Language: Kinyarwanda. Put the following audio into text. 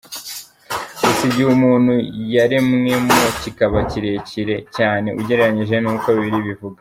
Gusa igihe umuntu yaremwemo kikaba kirekire cyane ugererenyije n’uko Bibiliya ibivuga.